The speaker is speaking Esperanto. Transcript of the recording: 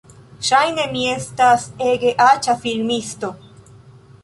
Ŝajne mi estas ege aĉa filmisto